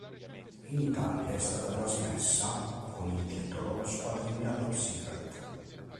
In Italia è stata trasmessa con il titolo "Squadriglia top secret".